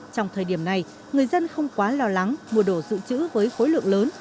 trong thời điểm này người dân không quá lo lắng mua đồ dự trữ với khối lượng lớn